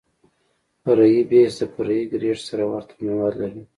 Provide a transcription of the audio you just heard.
فرعي بیس د فرعي ګریډ سره ورته مواد لري